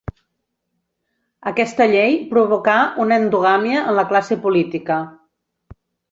Aquesta llei provocà una endogàmia en la classe política.